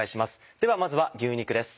ではまずは牛肉です。